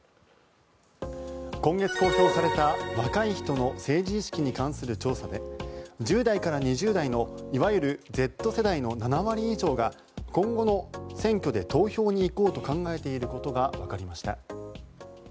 今月公表された若い人の政治意識に関する調査で１０代から２０代のいわゆるＺ世代の７割以上が今後の選挙で投票に行こうと考えていることがわかりました。